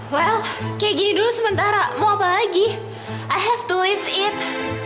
well kayak gini dulu sementara mau apa lagi i have to lift it